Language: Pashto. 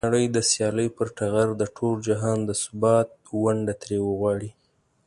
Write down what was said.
بیا نړۍ د سیالۍ پر ټغر د ټول جهان د ثبات ونډه ترې وغواړي.